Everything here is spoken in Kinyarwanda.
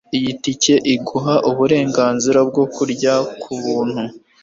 Iyi tike iguha uburenganzira bwo kurya kubuntu.